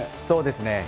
そうですね。